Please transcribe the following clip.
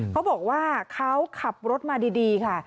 เขาบอกว่าเขาขับรถมาดีค่ะ